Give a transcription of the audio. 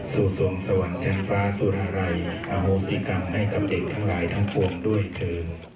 สู่สวงสวันชันฟ้าสู่ทะไรอโฮศิกรรมให้กับเด็กทั้งหลายทั้งปวงด้วยเธอ